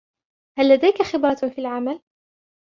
هل لديك خبرةً في العمل ؟